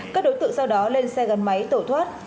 các đối tượng sau đó lên xe gắn máy tổ thoát